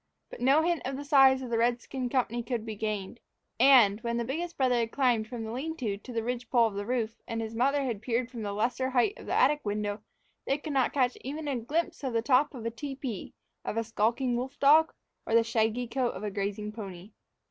But no hint of the size of the redskin company could be gained; and, when the biggest brother had climbed from the lean to to the ridge pole of the roof and his mother had peered from the lesser height of the attic window, they could not even catch a glimpse of the top of a tepee, of a skulking wolf dog, or of the shaggy coat of a grazing pony.